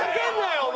お前。